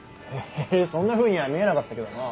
へぇそんなふうには見えなかったけどな。